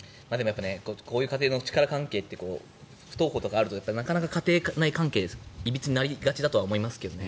こういう家庭の力関係って不登校とかあると家庭内関係がいびつになりがちだとは思いますけどね。